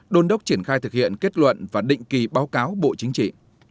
đôn đốc triển khai thực hiện kết luận và định kỳ báo cáo bộ chính trị